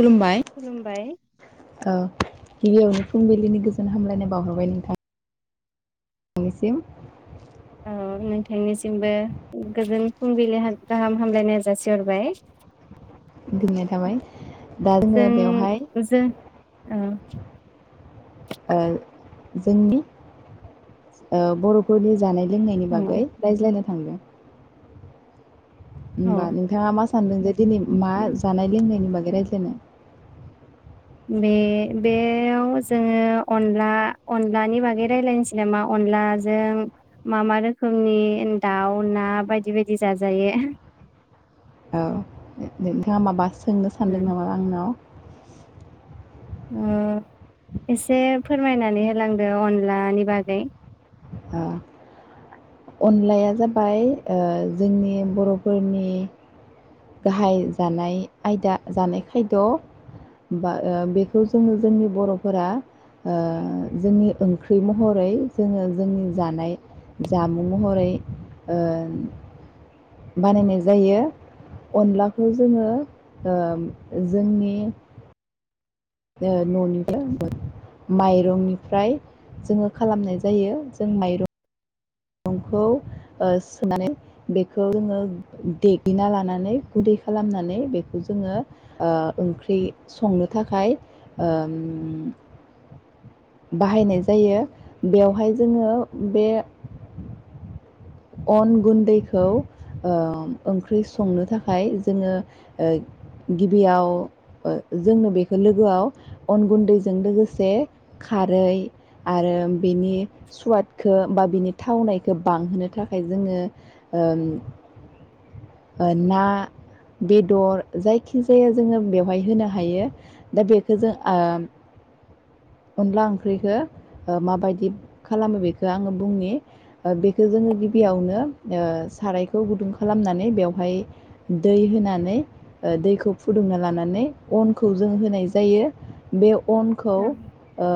खुलुमबाय खुलुमबाय औ गिबियावनो फुंबिलिनि गोजोन हामलायनाय बावहरबाय नोंथां। निसिम औ नोंथांनिसिमबो गोजोन फुंबिलि हाम गाहाम हामलायनाय जासिहरबाय। दोननाय थाबाय दा जोङो बेवहाय ओ ओ जोंनि बर'फोरनि जानाय लोंनाय लोंनायनि बागै रायज्लायनो थांदो होमबा औ नोंथाङा मा सानदों जे दिनै मा जानाय लोंनायनि बागै रायज्लायना माने बेयाव जोङो अनला अनलानि बागै रायलायनोसै नामा अनलाजों मा मा रोखोमनि दाउ ना बायदि बायदि जाजायो औ नोंथाङा माबा सोंनो सानदों नामा आंनाव ओ एसे फोरमायनानै होलांदो अनलानि बागै ओ अनलाया जाबाय ओ जोंनि बर'फोरनि गाहाय जानाय आयदा जानाय खायद' बा ओ बेखौ जोङो जोंनि बर'फोरा ओ जोंनि ओंख्रि महरै जोङो जोंनि जानाय जामुं महरै ओ बानायनाय जायो अनलाखौ जोङो ओ जोंनि ओ न'निफ्राय माइरंनिफ्राय जोङो खालामनाय जायो जों माइरं खौ ओ सोमनानै बेखौ जोङो देग्लिना लानानै गुदै खालामनानै बेखौ जोङो ओ ओंख्रि संनो थाखाय उम बाहायनाय जायो बेवहाय जोङो बे अन गुन्दैखौ ओ ओंख्रि संनो थाखाय जोङो ओ गिबियाव जोंनो बेखौ लोगोआव अन गुन्दैजों लोगोसे खारै आरो बिनि सुवादखो बा बिनि थावनायखो बांहोनो थाखाय जोङो ओम ना बेदर जायखि जाया जोङो बेवहाय होनो हायो दा बेखौ जों ओ अनला ओंख्रिखो माबायदि खालामो बेखौ आङो बुंनि बेखौ जोङो गिबियावनो ओ सारायखौ गुदुं खालामनानै बेवहाय दै होनानै ओ दैखौ फुदुंना लानानै अनखौ जों होनाय जायो। बे अनखौ ओ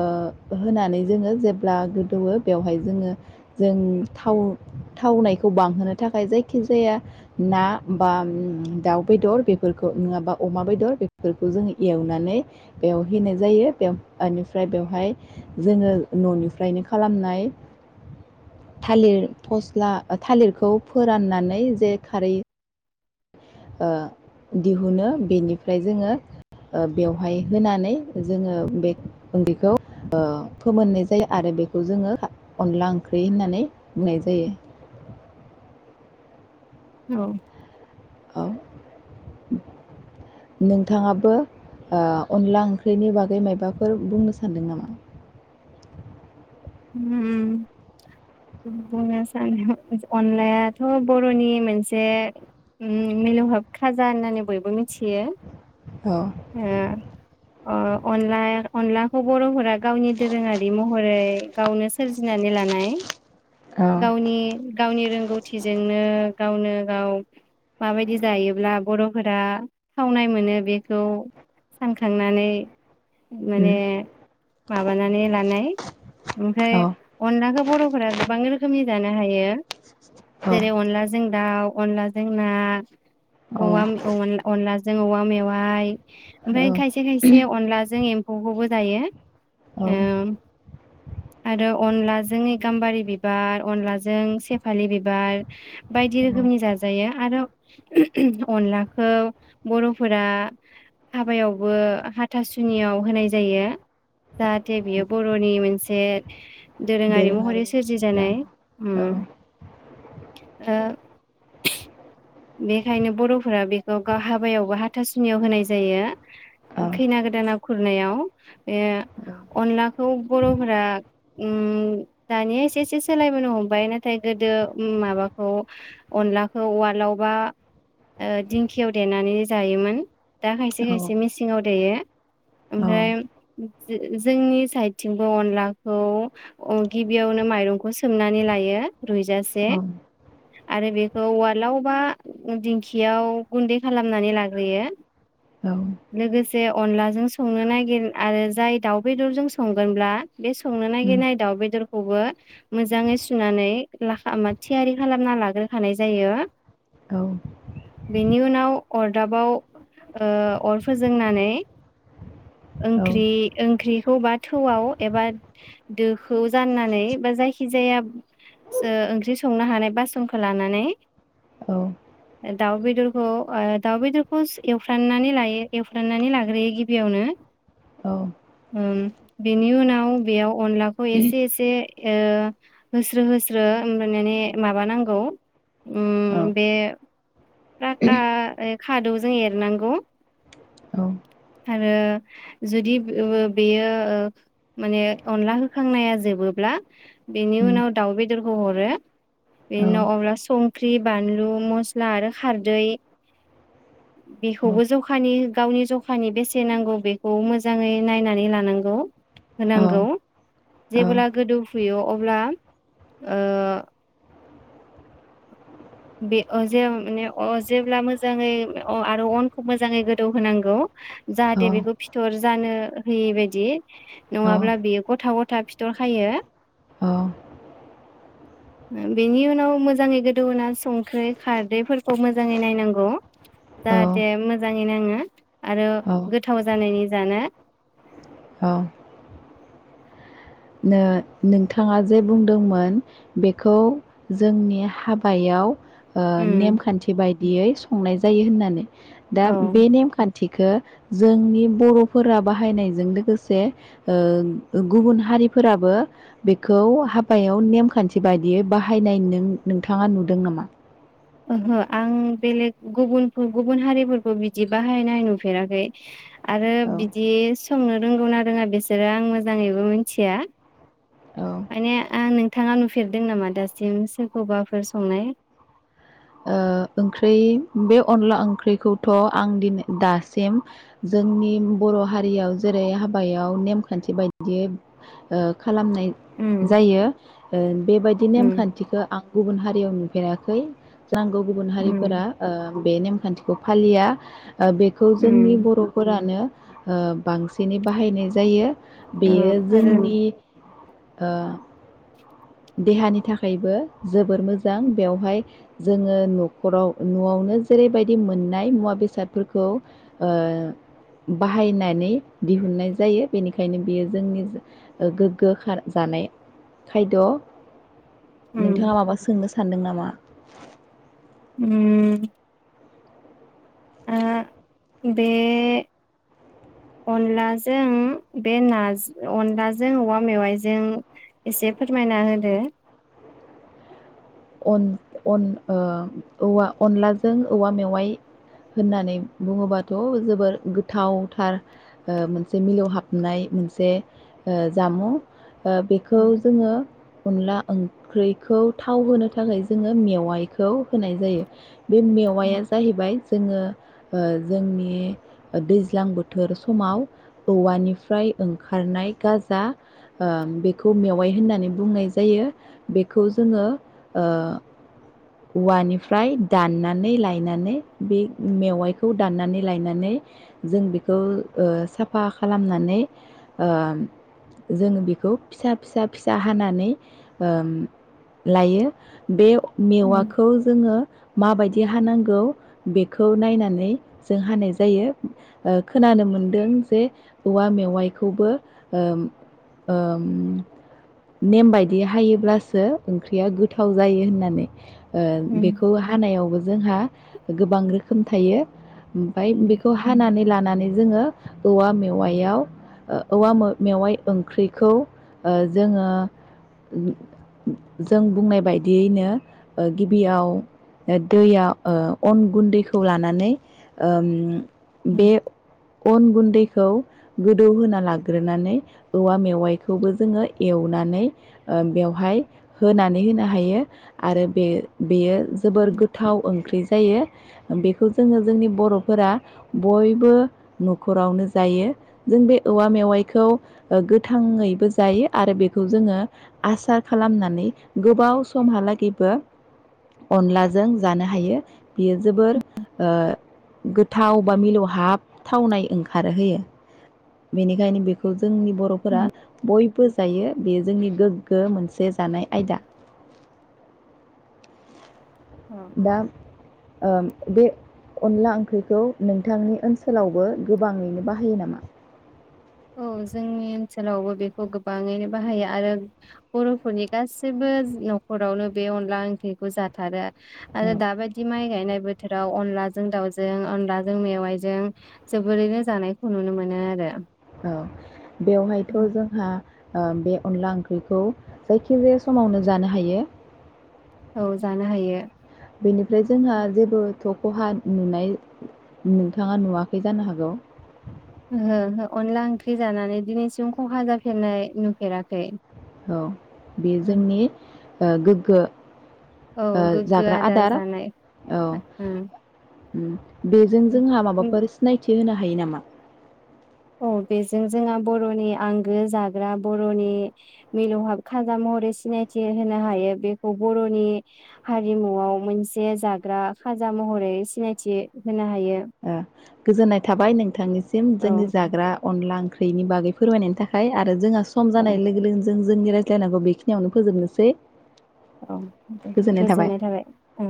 होनानै जोङो जेब्ला गोदौवो बेवहाय जोङो जों थाव थावनायखौ बांहोनो थाखाय जायखि जाया ना बा दाउ बेदर बेफोरखौ नङाबा अमा बेदर बेफोरखौ जोङो एवनानै बेयाव होनाय जायो बेयाव ओनिफ्राय बेवहाय जोङो न'निफ्रायनो खालामनाय थालिर फस्ला थालिरखौ फोराननानै जे खारै ओ दिहुनो बेनिफ्राय जोङो ओ बेवहाय होनानै जोङो बे ओंख्रिखौ ओ फोमोननाय जायो आरो बेखौ जोङो अनला ओंख्रि होननानै बुंनाय जायो औ नोंथाङाबो ओ अनला ओंख्रिनि बागै मायबाफोर बुंनो सान्दों नामा? उम बुंनो साना अनलायाथ' बर'नि मोनसे उम मिलौहाब खाजा होननानै बयबो मिथियो औ हो अ अनला अनलाखौ बर'फोरा गावनि दोरोङारि महरै गावनो सोरजिनानै लानाय औ गावनि गावनि रों रोंगौथिजोंनो गावनो गाव माबायदि जायोब्ला बर'फोरा खावनाय मोनो बे खौ सानखांनानै उम माने माबानानै लानाय ओमफ्राय औ अनलाखौ बर'फोरा गोबां रोखोमनि जानो हायो। औ जेरै अनलाजों दाउ अनलाजों ना अमा मैगं औ अनला मैगंमोन अनलाजो जों औवा मेवाय फाय औ ओमफाय खायसे खायसे अनलाजों एम्फौखौबो जायो औ उम आरो अनलाजों गाम्बारि बिबार अनलाजों सेफालि बिबार बायदि औ रोखोमनि जाजायो आरो अनलाखौ बर'फोरा हाबायावबो हाथासुनियाव होनाय जायो जाहाथे बियो बर'नि मोनसे [inaudible] दोरोङारि महरै सोरजि जानाय उम औ ओ बेखायनो बर'फोरा बेखौ गाव हाबायावबो हा थासुनियाव होनाय जायो खैना गोदाना खुर नायाव बे अनला खौ बर'फोरा उ उ दानिया एसे एसे सोलायबोनो हमबाय नाथाय गोदो उम माबाखौ अनलाखौ उवालाव माबा अ दिंखियाव देनानै जायोमोन दा खायसे खायसे मेसिंआव देयो ओमफ्राय जो जोंनि साइदथिंबो अनलाखौ अ गिबियावनो माइरंखौ सोमनानै लायो रुयजासे आरो बेखौ उवाल लावबा दिंखियाव गुन्दै खालामनानै लाग्रोयो लोगोसे अनलाजों संनो नागिर आरो जाय दाउ बेदरजों संगोनब्ला बे संनो नागिनाय दाउ बेदरखौबो मोजाङै सुनानै लाखा मा थियारि खालामना लाग्रोखानाय जायो बेनि उनाव अर दाबाव अ अर फोजोंनानै ओंख्रि ओंख्रिखौ बा थौआव एबा दोखौ जाननानै बा जायखिजाया सह ओंख्रि संनो हानाय बासनखौ लानानै औ दाउ बेदरखौ अ दाउ बेदरखौ एवफ्राननानै लायो एवफ्रामनानै लाग्रोयो गिबियावनो औ उम बेनि उनाव बेयाव अनलाखौ एसे एसे अ हो होस्रो होस्रोहोमबानने माबा नांगौ उ बे फ्राका खादौजों एरनांगौ औ आरो जुदि ओ बेयो ओ माने अनला होखांनाया जोबोब्ला बेनि उनाव दाउ बेदरखौ हरो बेनि उनाव अब्ला सं ख्रि बानलु मस्ला आरो खारदै बेखौबो जखानि गावनि जखानि बेसे नांगौ बेखौ मोजाङै नायनानै लानांगौ होनांगौ जेब्ला गोदौफुयो अ ब्ला ओ बे अ जों माने अ जेब्ला मोजाङै अ आरो अनखौ मोजाङै गोदौ होनांगौ। जाहाथे बेखौ फिथर जानो होयै बादि नङाब्ला बियो गथा गथा फिथर खायो बेनि उनाव मोजाङै गोदौहोना जा संख्रि खारदैफोरखौ मोजाङै नायनांगौ जाहाथे मोजां ङै नाङो आरो गोथाव जानायनि जानो औ [inaudible] नो नोंथाङा जे बुंदोंमोन बेखौ जोंनि हाबायाव ओ उम नेमखान्थि बाय बिदियै संनाय जायो होननानै दा औ बे नेमखान थिखो जोंनि बर'फोरा बाहायनायजों लोगोसे ओ गुबुन हारि फोराबो बेखौ हाबायाव नेमखान्थि बायदियै बाहायनाय नों नोंथाङा नुदों नामा ओहो आं बेलेग गुबुन गुबुन हारिफोरखौ बिदि बाहायनाय नुफेराखै। आरो औ बिदि संनो रोंगौना रोङा बिसोरो आं मोजाङैबो मिथिया औ माने ओ नोंथाङा नुफेरदों नामा दासिम सोरखौबाफोर संनाय? ओ ओंख्रि बे अनला ओंख्रिखौथ आं दिनै दासिम जोंनि बर' हारियाव जेरै हाबायाव नेमखान्थि बायदियै ओ खालामनाय उम जायो ओ बेबायदि उम नेमखान्थिखौ आं गुबुन हारियाव नु फेराखै नांगौ गुबुन हारिफोरा उम ओ बे नेम खान्थिखौ फालिया बेखौ जोंनि उम बर'फोरानो ओ बांसिनै बाहायनाय जायो। उम बेयो आरो जोंनि ओ देहानि थाखायबो जोबोर मोजां बेवहाय जोङो नखराव नआवनो जेरैबायदि मोननाय मुवा बेसादफोरखौ ओ बाहायनानै दिहुननाय जायो बेनिखायनो बियो जोंनि गोग्गो खार जानाय खायद उम नोंथाङा माबा सोंनो सानदों नामा [inaudible] उम ओ बे अनलाजों बे ना अनलाजों औवा मेवाइजों एसे फोरमायना होदो अन अन ओ औवा अनलाजों औवा मेवाइ होननानै बुङोबाथ जोबोर गोथावथार मोनसे मिलौहाबनाय मोनसे ओ जामुं बेखौ उम जोङो अनला ओंख्रिखौ थाव होनो थाखाय थाखाय जोङो मेवाइखौ होनाय जायो बे मेवआ उम जाहैबाय जोङो ओ जोंनि दैज्लां बोथोर समाव औवानिफ्राय ओंखारनाय गाजा ओ बेखौ मेवाइ होननानै बुंनाय जायो बेखौ जोङो ओ औवानिफ्राय दाननानै लायनानै बे मेवाइखौ दाननानै लायनानै जों बेखौ ओ साफा खालामनानै ओ जों बेखौ फिसा फिसा फिसा हानानै ओ लायो बे मेवा औ जोङो मा बायदि हानांगौ बेखो नायनानै जों हानाय जायो ओ खोनानो मोनदों जे औवा मेवाइखौबो ओ ओ नेम बायदि हायोब्लासो ओंख्रिया गोथाव जायो होननानै ओ उम बेखौ हानायावबो जोंहा गोबां रोखोम थायो ओमफाय उम बेखौ हानानै ला नानै जोङो औवा मेवायाव ओ औवा मेवाय ओंख्रिखौ जोङो जों बुंनाय बायदियैनो ओ गिबियाव ओ दैया अन गुन्दैखौ लानानै ओम उम बे अन गुन दैखौ गोदौ होना लाग्रोनानै औवा मेवाइखौबो जोङो एवनानै ओ बेवहाय होनानै होनो हायो आरो बे बेयो जोबोर गोथाव ओंख्रि जायो बेखौ जोङो जोंनि बर'फोरा बयबो न'खरावनो जायो जों बे औवा मेवाइखौ ओ गोथाङैबो जायो आरो बेखौ जोङो आसार खालामनानै गोबाव समहालागैबो अनलाजों जानो हायो बियो जोबोर ओ गो थाव बा मिलौ हाब थावनाय ओंखारोहोयो बेनिखायनो बेखौ जोंनि बर'फोरा उम बयबो बो जायो बेयो जोंनि गोग्गो मोनसे जानाय आयदा अ बा ओम बे अनला ओंख्रिखौ नोंथांनि ओनसोलावबो गोबाङैनो बाहायो नामा औ जोंनि ओनसोलावबो बेखौ गोबाङैनो बाहायो आरो बर'फोरनि गासैबो न'खरावनो बे अनला ओंख्रिखौ जाथारो आरो औ दाबायदि माय गायनाय बो बोथोराव अनलाजों दाउजों अनलाजों मेवायजों जोबोरैनो जानायखौ नुनो मोनो आरो औ बेवहायथ' जोंहा ओ बे अनला ओंख्रिखौ जायखिजाया समावनो जानो हायो औ जानो हायो बेनिफ्राय जोंहा जेबो थ खहा नुनाय नोंथाङा नुवाखै जानो हागौ ओहो ओहो अनला ओंख्रि जानानै दिनैसिम खहा जाफेरनाय नुफेराखै औ बे जोंनि ओ गोग्गो औ ओ गोग्गो जाग्रा आदार जानाय ओं ओम बेजों जोंहा माबाफोर सिनायथि होनो हायो नामा औ बेजों जोंहा बर'नि आंगो जाग्रा बर'नि मिलौहाब खाजा महरै सिनायथि होनो हायो बेखौ बर'नि हारिमुआव मोनसे जाग्रा खाजा महरै सिनायथि होनो हायो हायो ओ गोजोननाय थाबाय नोंथांनिसि सिम औ जोंनि जाग्रा अनला ओंख्रिनि बागै फोरमायनायनि थाखाय आरो जोंहा सम औ जानाय लोगो लोगोनो जों जोंनि रायज्लायनांगौ बेखिनियावनो फोजोबनोसै औ दे गोजोननाय थाबाय औ